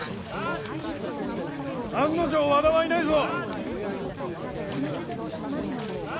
案の定和田はいないぞ。